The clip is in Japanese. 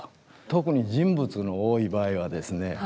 特に人物の多い場合はですね